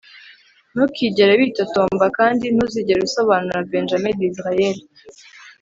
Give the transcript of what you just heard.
ntukigere witotomba kandi ntuzigere usobanura. - benjamin disraeli